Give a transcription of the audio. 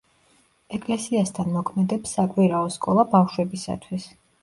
ეკლესიასთან მოქმედებს საკვირაო სკოლა ბავშვებისათვის.